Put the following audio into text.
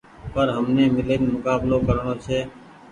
پر همني ميلين مڪبلو ڪرڻو ڇي